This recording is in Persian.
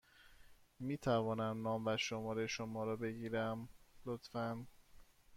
می توانم نام و شماره شما را بگیرم، لطفا؟